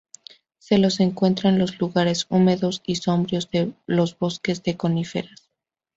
Se los encuentra en los lugares húmedos y sombríos de los bosques de coníferas.